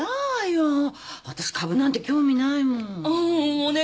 お願い。